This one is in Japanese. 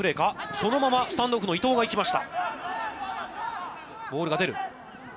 そのままスタンドオフの伊藤が行きました。